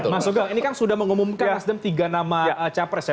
mas ogong ini kan sudah mengumumkan mas dem tiga nama capres ya